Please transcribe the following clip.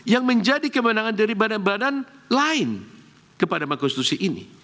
yang menjadi kewenangan dari badan badan lain kepada mahkamah konstitusi ini